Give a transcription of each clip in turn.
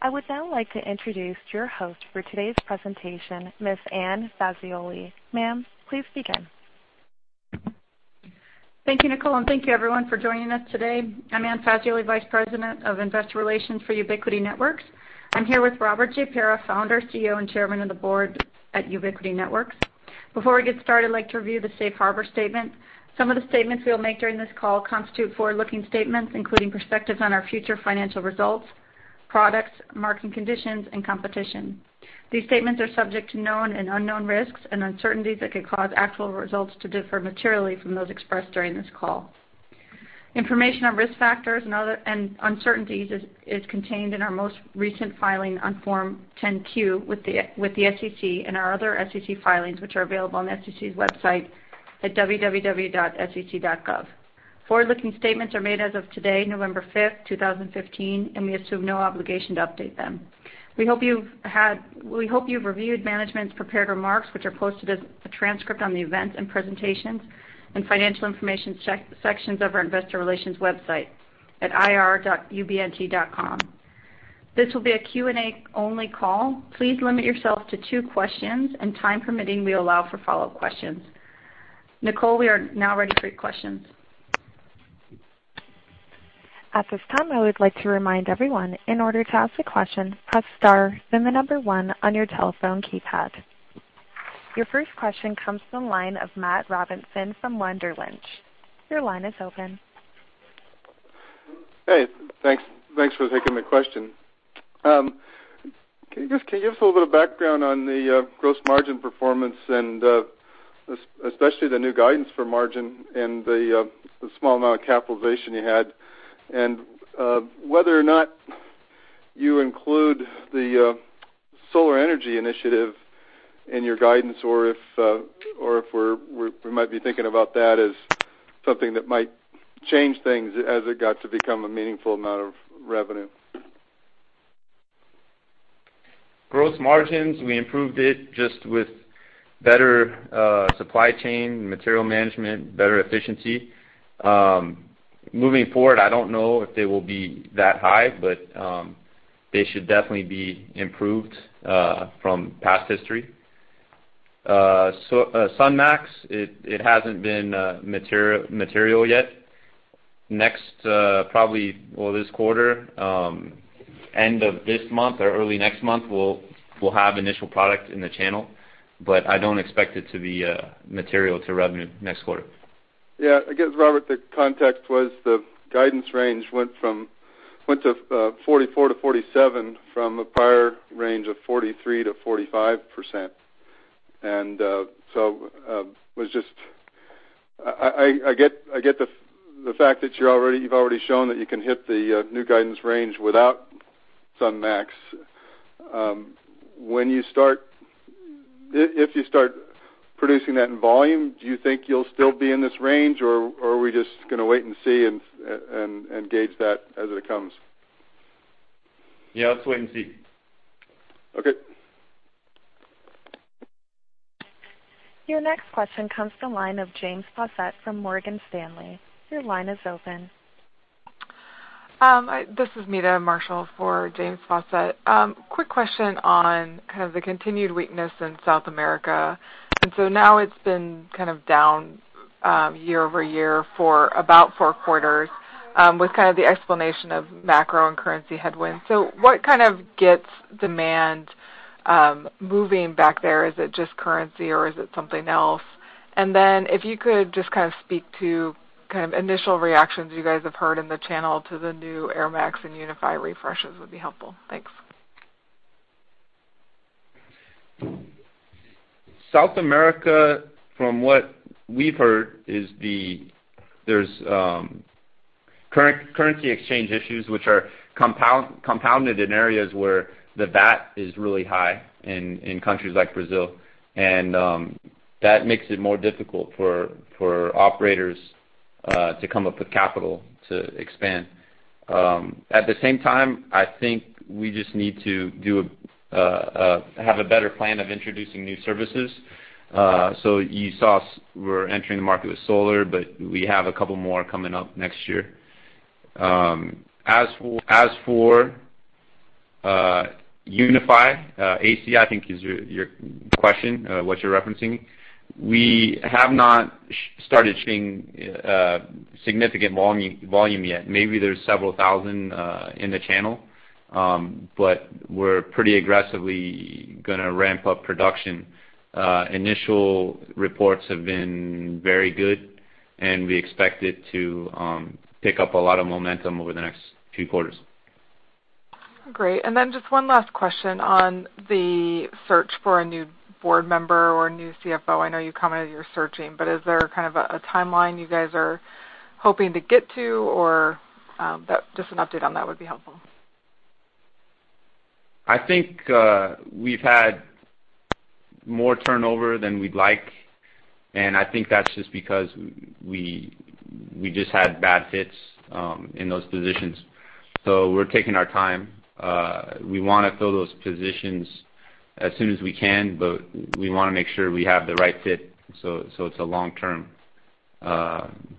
I would now like to introduce your host for today's presentation, Ms. Anne Fazioli. Ma'am, please begin. Thank you, Nicole, and thank you, everyone, for joining us today. I'm Anne Fazioli, Vice President of Investor Relations for Ubiquiti Networks. I'm here with Robert J. Pera, Founder, CEO, and Chairman of the Board at Ubiquiti Networks. Before we get started, I'd like to review the Safe Harbor Statement. Some of the statements we'll make during this call constitute forward-looking statements, including perspectives on our future financial results, products, market conditions, and competition. These statements are subject to known and unknown risks and uncertainties that could cause actual results to differ materially from those expressed during this call. Information on risk factors and uncertainties is contained in our most recent filing on Form 10Q with the SEC and our other SEC filings, which are available on the SEC's website at www.sec.gov. Forward-looking statements are made as of today, November 5, 2015, and we assume no obligation to update them. We hope you've reviewed management's prepared remarks, which are posted as a transcript on the events and presentations and financial information sections of our Investor Relations website at ir.ubnt.com. This will be a Q&A-only call. Please limit yourself to two questions, and time permitting, we'll allow for follow-up questions. Nicole, we are now ready for your questions. At this time, I would like to remind everyone, in order to ask a question, press star then the number one on your telephone keypad. Your first question comes from the line of Matt Robinson from Wunderlich. Your line is open. Hey, thanks for taking the question. Can you give us a little bit of background on the gross margin performance, and especially the new guidance for margin and the small amount of capitalization you had, and whether or not you include the solar energy initiative in your guidance, or if we might be thinking about that as something that might change things as it got to become a meaningful amount of revenue? Gross margins, we improved it just with better supply chain and material management, better efficiency. Moving forward, I don't know if they will be that high, but they should definitely be improved from past history.sunMAX, it hasn't been material yet. Next, probably, this quarter, end of this month or early next month, we'll have initial product in the channel, but I don't expect it to be material to revenue next quarter. Yeah, I guess, Robert, the context was the guidance range went from 44%-47% from a prior range of 43%-45%. And so it was just I get the fact that you've already shown that you can hit the new guidance range without sunMAX. When you start, if you start producing that in volume, do you think you'll still be in this range, or are we just going to wait and see and gauge that as it comes? Yeah, let's wait and see. Okay. Your next question comes from the line of James Fossett from Morgan Stanley. Your line is open. This is Meta Marshall for James Fossett. Quick question on kind of the continued weakness in South America. Now it's been kind of down year over year for about four quarters with kind of the explanation of macro and currency headwinds. What kind of gets demand moving back there? Is it just currency, or is it something else? If you could just kind of speak to initial reactions you guys have heard in the channel to the new AirMax and UniFi refreshes, that would be helpful. Thanks. South America, from what we've heard, is there's currency exchange issues which are compounded in areas where the VAT is really high in countries like Brazil. That makes it more difficult for operators to come up with capital to expand. At the same time, I think we just need to have a better plan of introducing new services. You saw us, we're entering the market with solar, but we have a couple more coming up next year. As for UniFi AC, I think is your question, what you're referencing. We have not started seeing significant volume yet. Maybe there's several thousand in the channel, but we're pretty aggressively going to ramp up production. Initial reports have been very good, and we expect it to pick up a lot of momentum over the next few quarters. Great. Just one last question on the search for a new board member or a new CFO. I know you commented you're searching, but is there kind of a timeline you guys are hoping to get to, or just an update on that would be helpful? I think we've had more turnover than we'd like, and I think that's just because we just had bad fits in those positions. We are taking our time. We want to fill those positions as soon as we can, but we want to make sure we have the right fit so it's a long-term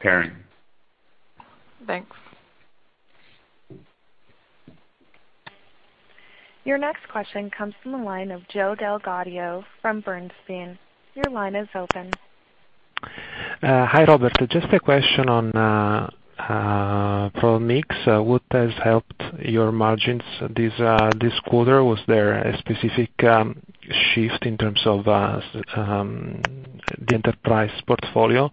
pairing. Thanks. Your next question comes from the line of Joe del Gaudio from Bernstein. Your line is open. Hi, Robert. Just a question on ProMix. What has helped your margins this quarter? Was there a specific shift in terms of the enterprise portfolio?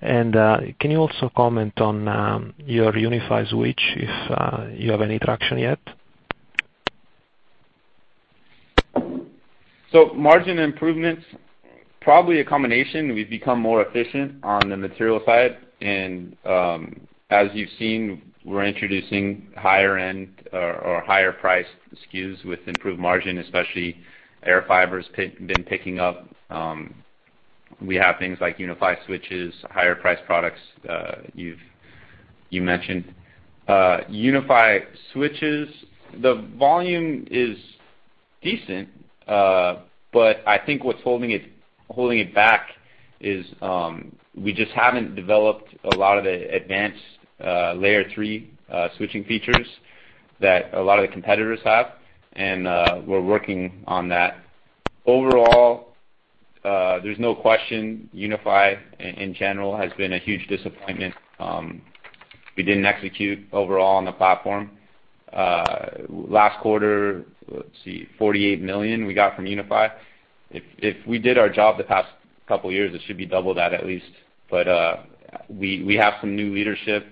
Can you also comment on your UniFi Switch, if you have any traction yet? Margin improvements, probably a combination. We've become more efficient on the material side. As you've seen, we're introducing higher-end or higher-priced SKUs with improved margin, especially airFibers have been picking up. We have things like UniFi Switches, higher-priced products you mentioned. UniFi Switches, the volume is decent, but I think what's holding it back is we just haven't developed a lot of the advanced Layer 3 switching features that a lot of the competitors have. We're working on that. Overall, there's no question UniFi, in general, has been a huge disappointment. We didn't execute overall on the platform. Last quarter, let's see, $48 million we got from UniFi. If we did our job the past couple of years, it should be double that at least. We have some new leadership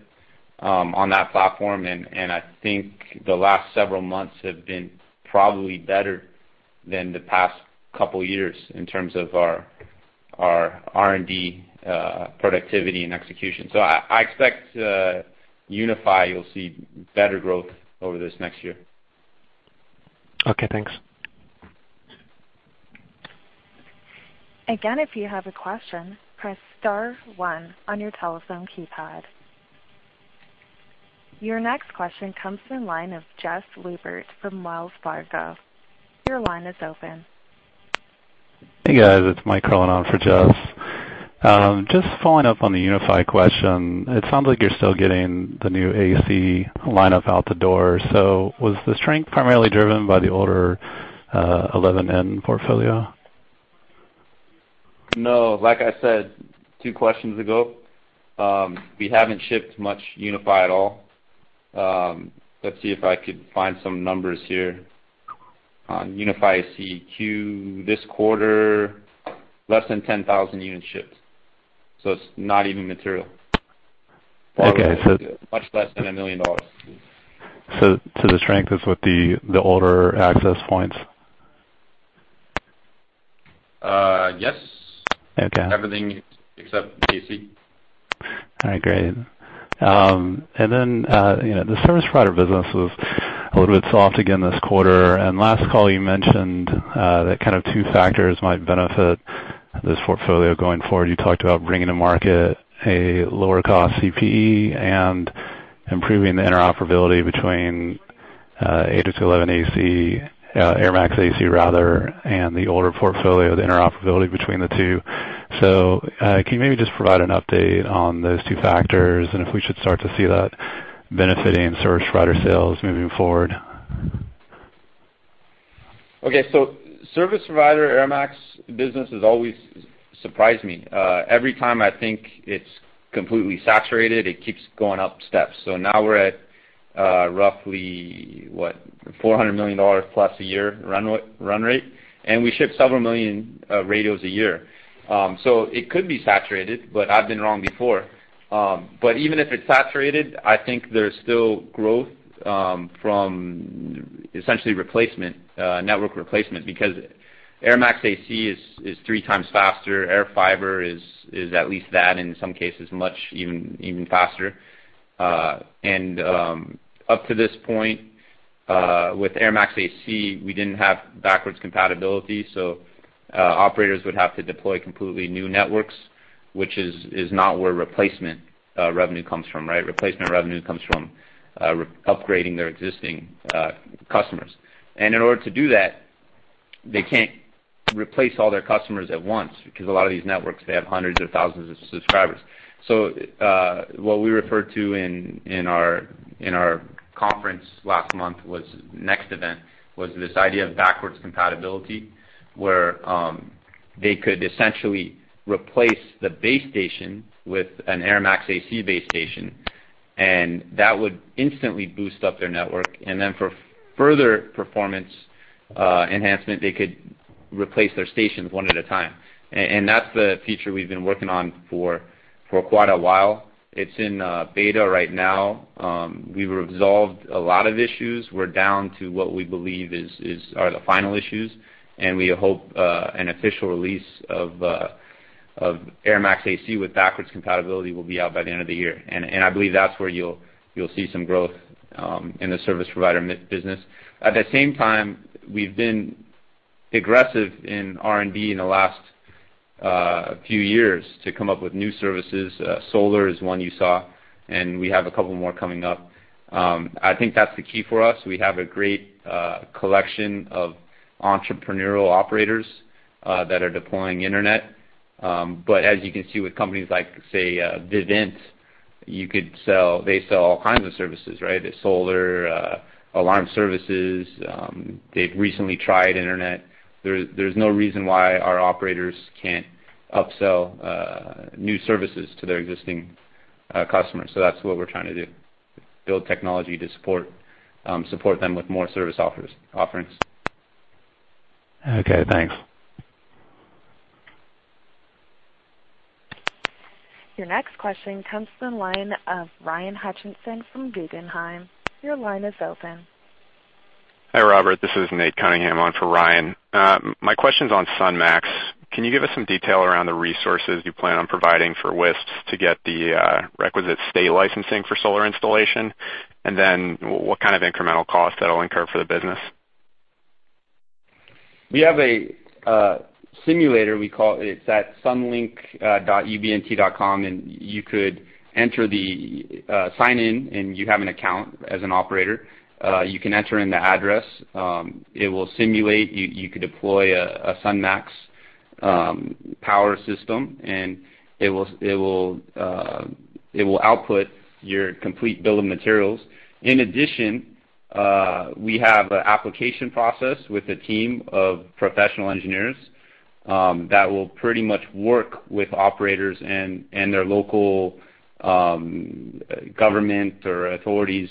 on that platform, and I think the last several months have been probably better than the past couple of years in terms of our R&D productivity and execution. I expect UniFi, you'll see better growth over this next year. Okay, thanks. Again, if you have a question, press star one on your telephone keypad. Your next question comes from the line of Jeff from Wells Fargo. Your line is open. Hey, guys. It's Mike calling on for Jeff. Just following up on the UniFi question, it sounds like you're still getting the new AC lineup out the door. Was the strength primarily driven by the older 11N portfolio? No, like I said two questions ago, we haven't shipped much UniFi at all. Let's see if I could find some numbers here. On UniFi CQ this quarter, less than 10,000 units shipped. So it's not even material. Okay. So. Much less than $1 million. The strength is with the older access points? Yes. Okay. Everything except AC. All right, great. The service provider business was a little bit soft again this quarter. Last call, you mentioned that kind of two factors might benefit this portfolio going forward. You talked about bringing to market a lower-cost CPE and improving the interoperability between 8 AC-1 AC, AirMax AC rather, and the older portfolio, the interoperability between the two. Can you maybe just provide an update on those two factors and if we should start to see that benefiting service provider sales moving forward? Okay. Service provider AirMax business has always surprised me. Every time I think it's completely saturated, it keeps going up steps. Now we're at roughly, what, $400 million plus a year run rate, and we ship several million radios a year. It could be saturated, but I've been wrong before. Even if it's saturated, I think there's still growth from essentially replacement, network replacement, because AirMax AC is three times faster. airFiber is at least that, and in some cases, much even faster. Up to this point, with AirMax AC, we didn't have backwards compatibility. Operators would have to deploy completely new networks, which is not where replacement revenue comes from, right? Replacement revenue comes from upgrading their existing customers. In order to do that, they can't replace all their customers at once because a lot of these networks, they have hundreds of thousands of subscribers. What we referred to in our conference last month was next event was this idea of backwards compatibility where they could essentially replace the base station with an AirMax AC base station, and that would instantly boost up their network. For further performance enhancement, they could replace their stations one at a time. That's the feature we've been working on for quite a while. It's in beta right now. We've resolved a lot of issues. We're down to what we believe are the final issues. We hope an official release of AirMax AC with backwards compatibility will be out by the end of the year. I believe that's where you'll see some growth in the service provider business. At the same time, we've been aggressive in R&D in the last few years to come up with new services. Solar is one you saw, and we have a couple more coming up. I think that's the key for us. We have a great collection of entrepreneurial operators that are deploying internet. As you can see with companies like, say, Vivint, they sell all kinds of services, right? They're solar, alarm services. They've recently tried internet. There's no reason why our operators can't upsell new services to their existing customers. That's what we're trying to do, build technology to support them with more service offerings. Okay, thanks. Your next question comes from the line of Ryan Hutchinson from Guggenheim. Your line is open. Hi, Robert. This is Nate Cunningham on for Ryan. My question's on sunMAX. Can you give us some detail around the resources you plan on providing for WISPs to get the requisite state licensing for solar installation, and then what kind of incremental costs that'll incur for the business? We have a simulator, we call it. It's at sunlink.ubnt.com, and you could enter the sign in, and you have an account as an operator. You can enter in the address. It will simulate. You could deploy a sunMAX power system, and it will output your complete bill of materials. In addition, we have an application process with a team of professional engineers that will pretty much work with operators and their local government or authorities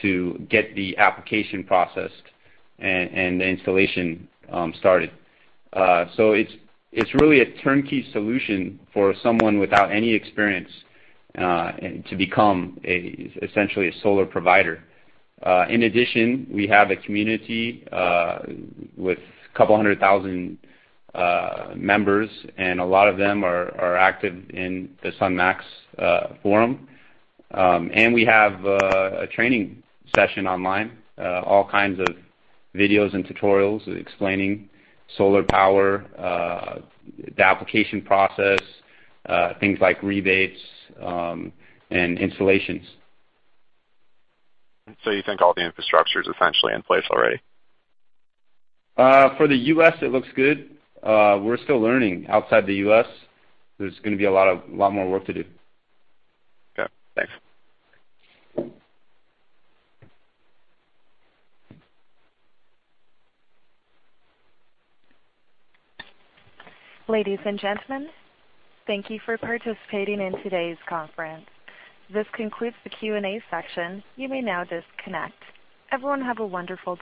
to get the application processed and the installation started. It is really a turnkey solution for someone without any experience to become essentially a solar provider. In addition, we have a community with a couple hundred thousand members, and a lot of them are active in the sunMAX forum. We have a training session online, all kinds of videos and tutorials explaining solar power, the application process, things like rebates, and installations. You think all the infrastructure is essentially in place already? For the U.S., it looks good. We're still learning. Outside the U.S., there's going to be a lot more work to do. Okay, thanks. Ladies and gentlemen, thank you for participating in today's conference. This concludes the Q&A section. You may now disconnect. Everyone have a wonderful.